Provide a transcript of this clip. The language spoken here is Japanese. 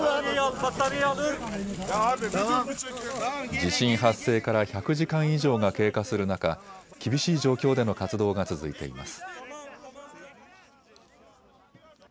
地震発生から１００時間以上が経過する中、厳しい状況での活動が続いています。